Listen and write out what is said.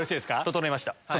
整いました。